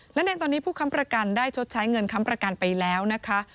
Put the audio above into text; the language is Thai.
และในตอนนี้ผู้ค้ำประกันได้ชดใช้เงินค้ำประกันไปแล้วนะคะ